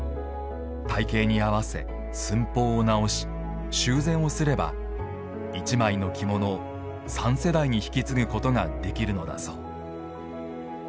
体型に合わせ寸法を直し修繕をすれば１枚の着物を３世代に引き継ぐことができるのだそう。